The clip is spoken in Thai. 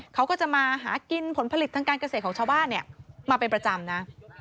เขาก็จะมาหากินผลผลิตทางการเกษตรของชาวบ้านมาเป็นประจำนะ